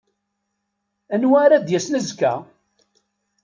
Anwa ara d-yasen azekka?